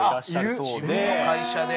自分の会社で。